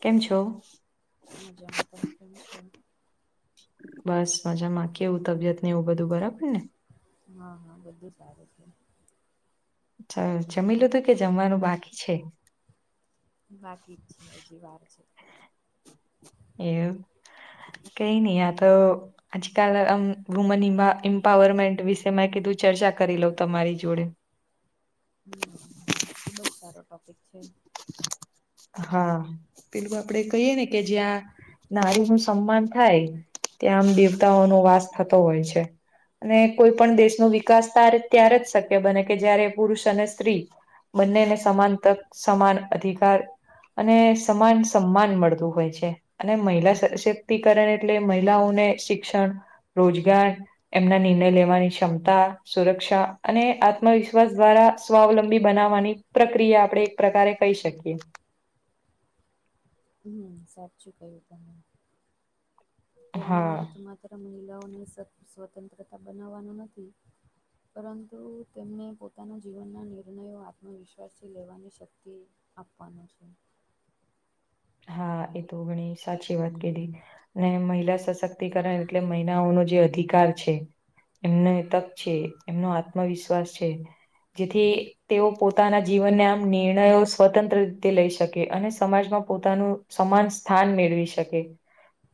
કેમ છો? મજામાં તમે કેમ છો? બસ મજામાં કે એવું તબિયત ને એવું બધું બરાબર ને? હા હા બધું સારું છે. જમી લધું કે જમવાનું બાકી છે? બાકી જ છે એજી વાર છે. એવું કઈ નહી આ તો- - આજકાલ આમ વુમન મ્પાવરમેન્ટ વિશેમાં કીધું ચર્ચા કરી લઉ તમારી જોડે? હમ્મ ખુબ જ સારો ટોપિક છે. હા પેલું આપડે કહીય ને કે જ્યાં- - નારી નું સન્માન થાય ત્યાં આમ દેવતાઓનો વાસ થતો હોય છે. અને કોઈ પણ દેશ ન વિકાસ ત ત્યારે જ શક્ય બને કે જયારે પુરુષ અને સ્ત્રી- - બંનેને સમાન તક સમાન અધિકાર- - અને સમાન સમાન મળતું હોય છે. અને મહિલા સશક્તિકરણ એટલે મહિલાઓને શિક્ષણ રોજગાર- - એમના નિર્ણય લેવાની ક્ષમતા સુરક્ષા અને આત્મવિશ્વાસ દ્વારા સ્વાવલંબી બનાવવાની- - પ્રક્રિયા આપણે એક પ્રકારે કહી શકીએ. હમ્મ સાચું કયુ તમે તેનો હા અર્થ મ- - માત્ર મહિલાઓને સત સ્વતંત્રતા બનાવવાનું નથી. પરંતુ તેમને પોતાના જીવનના નિર્ણયો આત્મવિશ્વાસથી લેવાની શક્તિ આપવાનું છે હા એ તો ઘણી સાચી વાત કેધ ને મહિલા સશક્તિકરણ એટલે મહિલાઓનો જે અધિકાર છે એમને તક છે એમનો આત્મવિશ્વાસ છે જેથી તેઓ પોતાના જીવનને આમ નિર્ણયો સ્વતંત્ર રીતે લઈ શકે અને સમાજમાં પોતાનું સમાન સ્થાન મેળવી શકે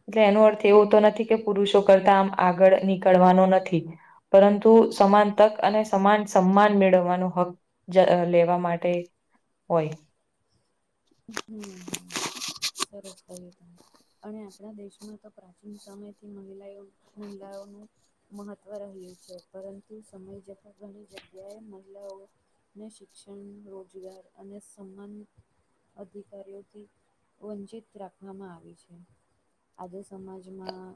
એટલે એનો અર્થ એવો તો નથી કે પુરુષો કરતા આમ આગળ નીકળવાનો નથી પરંતુ સમાન તક અને સમાન સન્માન મેળવવાનો હક જ લેવા માટે હોય હ હમ્મ સર રસ ક તો અને આપણા દેશમાં તો પ્રાચીન સમયથી મહિલાઓ મહિલાઓનું મહત્વ રહ્યું છે પરંતુ સમય જપ ઘણી જગ્યાએ મહિલાઓ ને શિક્ષણ રોજગાર અને સમાન અધિકારીઓથી વંચિત રાખવામાં આવી છે આજે સમાજમાં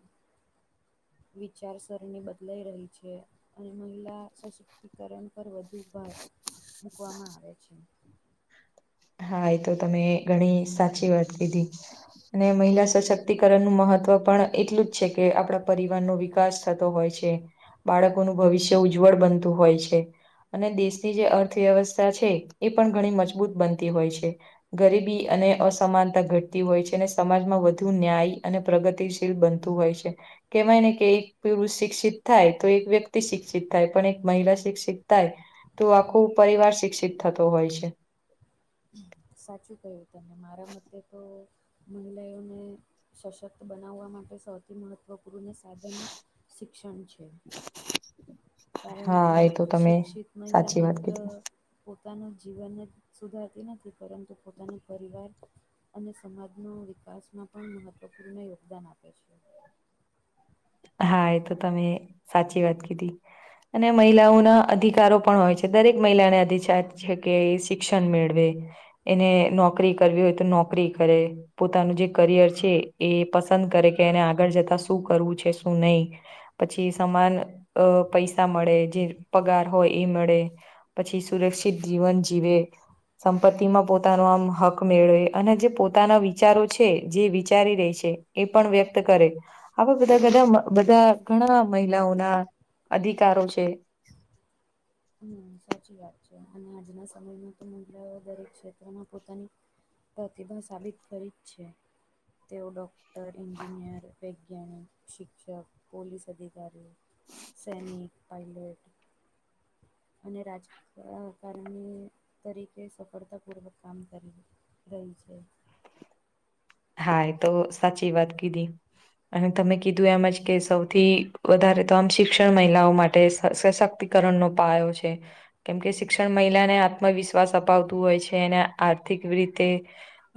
વિચારસરણી બદલાઈ રહી છે અને મહિલા સશક્તિકરણ પર વધુ ભાર મૂકવામાં આવે છે હા એ તો તમે ઘણી સાચી વાત કીધી અને મહિલા સશક્તિકરણનું મહત્વ પણ એટલું જ છે કે આપણા પરિવારનો વિકાસ થતો હોય છે બાળકોનું ભવિષ્ય ઉજ્જવળ બનતું હોય છે અને દેશની જે અર્થવ્યવસ્થા છે એ પણ ઘણી મજબૂત બનતી હોય છે ગરીબી અને અસમાનતા ઘટતી હોય છે અને સમાજમાં વધુ ન્યાય અને પ્રગતિ છે બનતું હોય છે કહેવાય ને કે એક પુરુષ શિક્ષિત થાય તો એક વ્યક્તિ શિક્ષિત થાય પણ એક મહિલા શિક્ષિત થાય તો આખો પરિવાર શિક્ષિત થતો હોય છે સાચું કહ્યું તને મારા મતે તો મહિલાઓને સશક્ત બનાવવા માટે સૌથી મહ ત્વ પૂર્ણ સાધન શિક્ષણ છે. કારણ કે હા એ તો તમે શિક્ષિત મહિલા સાચી વાત માત્ર કીધી. પોતાનું જીવન સુધારતી નથી પરંતુ પોતાનો પરિવાર અને સમાજનો વિકાસમાં પણ મહત્વપૂર્ણ યોગદાન આપે છે. હા એ તો તમે સાચી વાત કીધી અને મહિલાઓના અધિકારો પણ હોય છે દરેક મહિલાને અધીચાર છે કે શિક્ષણ મેળવે એને નોકરી કરવી હોય તો નોકરી કરે પોતાનું જે કરિયર છે એ પસંદ કરે કે એને આગળ જતા શું કરવું છે શું નહી પછી સમાન અ પૈસા મળે જે પગાર હોય એ મળે પછી સુરક્ષિત જીવન જીવે સંપત્તિમાં પોતાનો આમ હક મેળવે અને જે પોતાના વિચારો છે જે વિચારી રે છે. એ પણ વ્યક્ત કરે આવા બધા બધા બધા ઘણા મહિલાઓના અધિકારો છે. હમ સાચી વાત છે અને આજના સમયમાં તો મહિલા દરેક ક્ષેત્રમાં પોતાની પ્રતિભા સાબિત કરી જ છે. તેઓ ડૉક્ટર, એન્જિનિયર, વૈજ્ઞાનિક, શિક્ષક, પોલીસ અધિકારી સૈનિક, પાયલટ, અને રાજ અ કારણી તરીકે સફળતાપૂર્વક કામ કર્યું રહે છે. હા તો સાચી વાત કીધી અને તમે કીધું એમજ કે સૌથી વધારે તો આમ શી ક્ષણ મહિલાઓ માટે સશક્તિકરણનો પાયો છે. કેમકે શિક્ષણ મહિલાને આત્મવિશ્વાસ અપાવતું હોય છે અને આર્થિક રીતે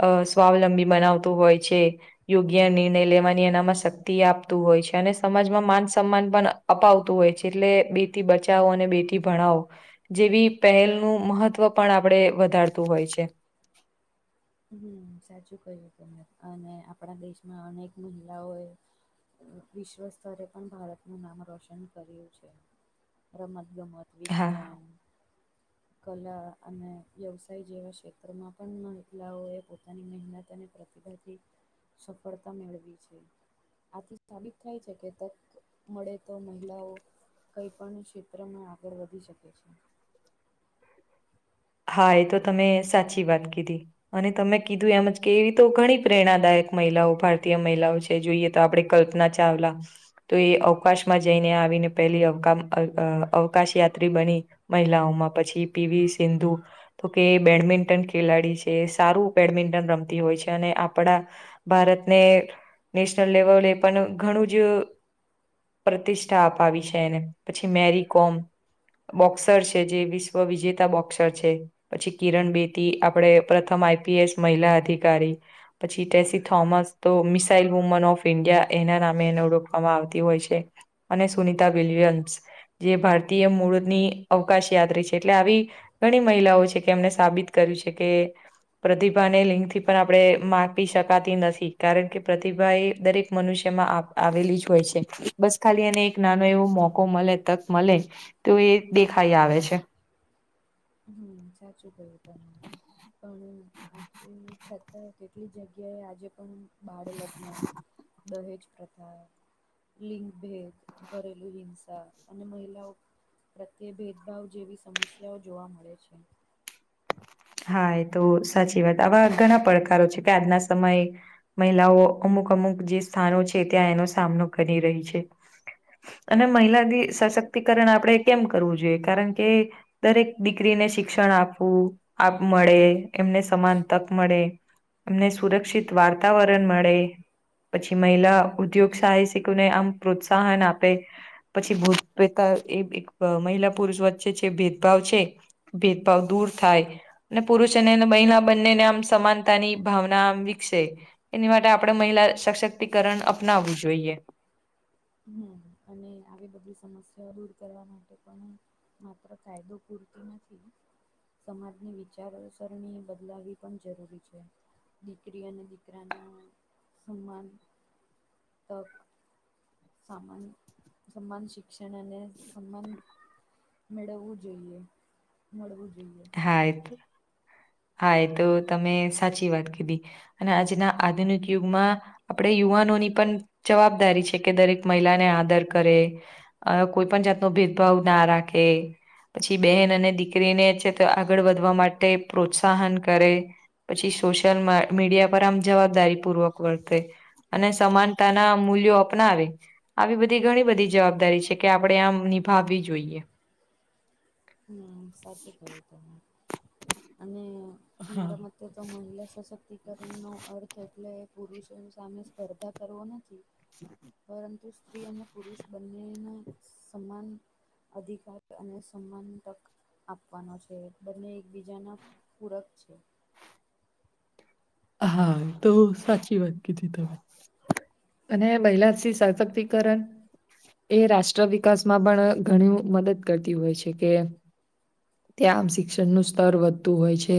અ સ્વાવલંબી મનાવતું હોય છે. યોગ્ય નિર્ણય લેવાની એનામાં શક્તિ આપતું હોય છે અને સમાજમાં માન સન્માન પણ અપાવતું હોય છે એટલે બેટી બચાવો અને બેટી ભણાવો જેવી પહેલનું મહત્વ પણ આપણે વધારતું હોય છે. હમ સાચું કહ્યું તમે અને આપણા દેશમાં અનેક મહિલાઓએ વિશ્વ સ્તરે પણ ભારતનું નામ રોશન કર્યું છે રમત ગમત હા. વિજ્ઞાન કલા અને વ્યવસાય જેવા ક્ષેત્રમાં પણ મહિલાઓ એ પોતાની મહેનત અને [inaudible] સફળતા મેળવી છે. આથી સાબિત થાય છે કે તક મળે તો મહિલાઓ કંઈપણ ક્ષેત્રમાં આગળ વધી શકે છે. હા એ તો તમે સાચી વાત કીધી. અને તમે કીધું એમજ કે એવી તો ઘણી પ્રેરણાદાયક મહિલાઓ ભારતીય મહિલાઓ છે. જોઈએ તો આપડે કલ્પના ચાવલા તો એ અવકાશમાં જઈને આવીને પહેલી અવ અવકાશ યાત્રી બની મહિલાઓમાં પછી પીવી સિંધુ તો કે બેડમિન્ટન ખેલાડી છે સારું બેડમિન્ટન રમતી હોય છે અને આપડા ભારતને નેશનલ લેવલે પણ ઘણું જ પ્રતિષ્ઠા અપાવી છે એને પછી મેરી કોમ બોક્સર છે જે વિશ્વ વિજેતા બોક્સર છે પછી કિરણ બેતી આપડે પ્રથમ આઈ પી એસ મહિલા અધિકારી પછી ટેસી થોમસ તો મિસાઇલ વુમન ઓફ ઈન્ડિયા એના નામે એને ઓળખવામાં આવતી હોય છે. અને સુનિતા વિલિયમ્સ જે ભારતીય મૂળની અવકાશ યાત્રી છે એટલે આવી ઘણી મહિલાઓ છે કે એમને સાબિત કર્યું છે કે પ્રતિભાને લિંગથી પણ આપડે માપી શકાતી નથી કારણ કે પ્રતિભા એ દરેક મનુષ્યમાં આવેલી જ હોય છે બસ ખાલી એને એક નાનો એવો મોકો મલે તક મલે તો એ એક દેખાઈ આવે છે હમ સાચું કહ્યું તમે પણ આજે છતાંયે કેટલી જગ્યાએ આજે પણ બાળ લગ્ન દહેજ પ્રથા લિંગ ભેદ ઘરેલુ હિંસા અને મહિલાઓ પ્રત્યે ભેદભાવ જેવી સમસ્યાઓ જોવા મળે છે હા એ તો સાચી વાત આવા ઘણા પડકારો છે કે આજના સમયે મહિલાઓ અમુક અમુક જે સ્થાનો છે ત્યાં એનો સામનો કરી રહી છે અને મહિલા સશક્તિકરણ આપણે કેમ કરવું જોઈએ કારણ કે દરેક દીકરીને શિક્ષણ આપવું આપ મળે એમને સમાન તક મળે એમને સુરક્ષિત વાર્તાવરણ મળે પછી મહિલા ઉદ્યોગ સાહસિકોને આમ પ્રોત્સાહન આપે પછી ભૂતપેતા એ એક મહિલા પુરુષ વચ્ચે છે ભેદભાવ છે ભેદભાવ દૂર થાય અને પુરુષ અને મહિલા બંનેને આમ સમાનતાની ભાવના આમ વિકસે એની માટે આપડે મહિલા સશક્તિકરણ અપનાવવું જોઈએ હમ અને આવી બધી સમસ્યાઓ દૂર કરવા માટે પણ માત્ર કાયદો પૂરતી નથી સમાજની વિચારસરણી બદલાવવી પણ જરૂરી છે દીકરી અને દીકરાના સન્માન તક સામાન્ય સમાન શિક્ષણ અને સમાન મેળવવું જોઈએ મળવું જોઈએ થાય હા એ તો તમે સાચી વાત કીધી અને આજના આધુનિક યુગમાં આપડે યુવાનોની પણ જવાબદારી છે કે દરેક મહિલાને આદર કરે અ કોઈ પણ જાતનો ભેદભાવ ના રાખે પછી બેહેન અને દીકરીને છે તો આગળ વધવા માટે પ્રોત્સાહન કરે પછી સોશિયલ મીડિયા પર આમ જવાબદારી પૂર્વક વર્તે અને સમાનતાના મૂલ્યો અપનાવે આવી બધી ઘણી બધી જવાબદારી છે કે આપડે આમ નિભાવવી જોઈએ હમ સાચું કહ્યું તમે અને હા મારા મ તો તો મહિલા સશક્તિકરણનો અર્થ એટલે પુરુષો સામે સ્પર્ધા કરવો નથી પરંતુ સ્ત્રી અને પુરુષ બંનેના સમાન અધિકાર અને સ સમાન તક આપવાનો છે બંને એકબીજાના પૂરક છે હા તો સાચી વાત કીધી તમે અને મહિલાશી સશક્તિકરણ એ રાષ્ટ્ર વિકાસમાં પણ ઘણી મદદ કરતી હોય છે કે ત્યાં આમ શિક્ષણનું સ્તર વધતું હોય છે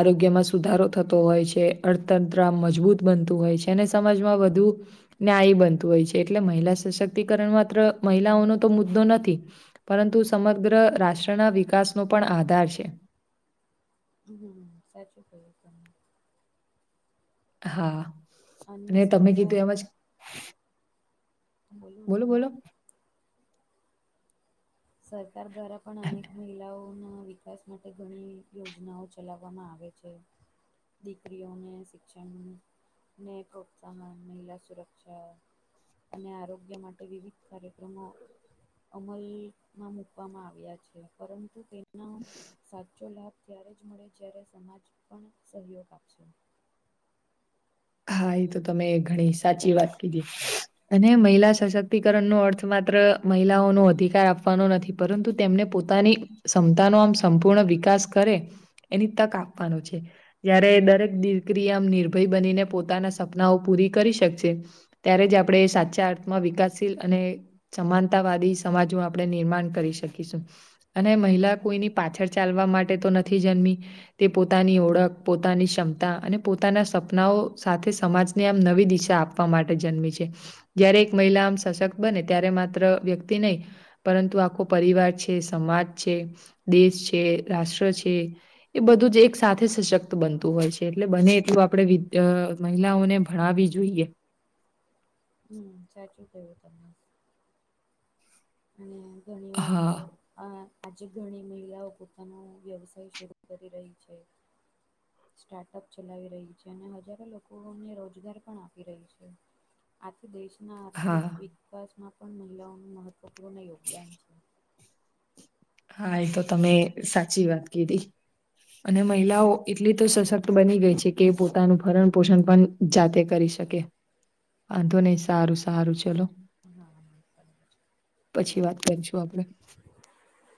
આરોગ્યમાં સુધારો થતો હોય છે કે અર્થતંત્ર મજબૂત બનતું હોય છે અને સમાજમાં વધુ ન્યાયી બનતું હોય છે એટલે મહિલા સશક્તિકરણ માત્ર મહિલાઓનો તો મુદ્દો નથી પરંતુ સમગ્ર રાષ્ટ્રના વિકાસનો પણ આધાર છે હમ સાચું કહ્યું તમેં હા અને તમે કીધું એમ જ બોલ બોલ બોલો બોલ બોલો સરકાર દ્વારા પણ અનેક મહિલાઓ કોના વિકાસ માટે ઘણી યોજનાઓ ચલાવવામાં આવે છે દીકરીઓ ને શિક્ષણ ને [unintelligible] મહિલા સુરક્ષા અને આરોગ્ય માટે વિવિધ કાર્યક્રમો અમલ માં મૂકવામાં આવ્યા છે પરંતુ તેના સાચો લાભ ત્યારે જ મળે જ્યારે સમાજ પણ સહયોગ આપશે. હા એ તો તમે ઘણી સાચી વાત કીધી. અને મહિલા સશક્તિકરણ નો અર્થ માત્ર મહિલાઓનો અધિકાર આપવાનો નથી પરંતુ તેમને પોતાની ક્ષમતાનો આમ સંપૂર્ણ વિકાસ કરે એની તક આપવાનું છે. જયારે દરેક દીકરી આમ નિર્ભય બનીને પોતાના સપનાઓ પૂરી કરી શકશે ત્યારે જ આપણે સાચા અર્થમાં વિકાસશીલ અને સમાનતાવાદી સમાજનું આપણે નિર્માણ કરી શકીશું. અને મહિલા કોઈની પાછળ ચાલવા માટે તો નથી જન્મી ને. તે પોતાની ઓળખ, પોતાની ક્ષમતા અને પોતાના સપનાઓ સાથે સમાજને આમ નવી દિશા આપવા માટે જન્મી છે. જયારે એક મહિલા આમ સશક્ત બને ત્યારે માત્ર વ્યક્તિ નય પરંતુ આખો પરિવાર છે, સમાજ છે, દેશ છે, રાષ્ટ્ર છે એ બધું જ એક સાથે સશક્ત બનતું હોય છે એટલે બને એટલું આપણે વિ અ મહિલાઓને ભણાવી જોઈએ. હમમ સાચું કહ્યું તમેં. હમમ ઘણી વાર તો હા, હા આજે ઘણી મહિલાઓ પોતાનો વ્યવસાય શરૂ કરી રહી છે. સ્ટાર્ટઅપ ચલાવી રહી છે અને હજારો લોકોને રોજગાર પણ આપી રહી છે. આથી દેશના આર્થિક હા, વિકાસમાં પણ મહિલાઓનું મહત્વપૂર્ણ યોગદાન છે. હા એ તો તમે સાચી વાત કીધી. અને મહિલાઓ એટલી તો સશક્ત બની ગઈ છે કે પોતાનું ભરણ પોષણ પણ જાતે કરી શકે વાંધો નય સારું સારું ચલો હા બરાબર છે. પછી વાત કરીશું આપડે. [inaudible]